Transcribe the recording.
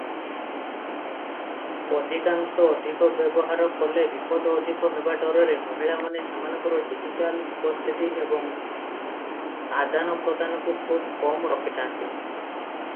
ଅଧିକାଂଶ ଅଧିକ ବ୍ୟବହାର କଲେ ବିପଦ ଅଧିକ ହେବା ଡରରେ ମହିଳାମାନେ ସେମାନଙ୍କର ଡିଜିଟାଲ ଉପସ୍ଥିତି ଏବଂ ଆଦାନପ୍ରଦାନକୁ ଖୁବ କମ ରଖିଥାନ୍ତି ।